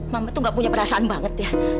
mama tuh gak punya perasaan banget ya